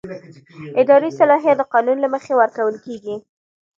اداري صلاحیت د قانون له مخې ورکول کېږي.